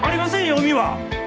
海は。